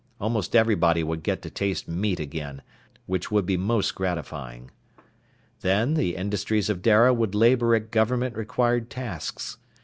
Almost everybody would get to taste meat again, which would be most gratifying. Then, the industries of Dara would labor at government required tasks.